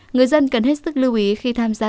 người dân cần hết sức lưu ý khi tham gia